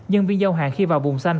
nhân viên giao hàng khi vào vùng xanh